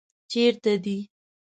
چېرته دی؟